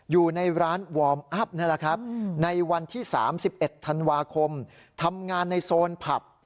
อยู่ในร้านวอร์มอัพในวันที่๓๑ธันวาคมทำงานในโซนผับ